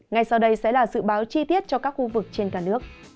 ngay sau đây sẽ là dự báo chi tiết cho các khu vực trên cả nước